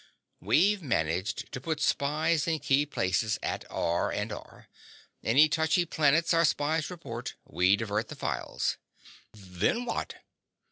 We've managed to put spies in key places at R&R. Any touchy planets our spies report, we divert the files." "Then what?"